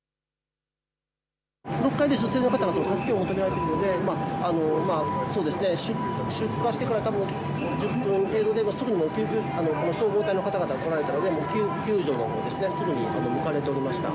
女性の方が助けを求められているので、出火してからたぶん１０分程度で消防隊の方々が来られたので救助にすぐに向かわれておりました。